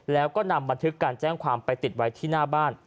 แล้วก็นำบันทึกการแจ้งความไปติดไว้ที่หน้าบ้าน